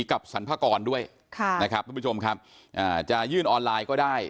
กับสรรพากรด้วยจะยื่นออนไลน์ก็ได้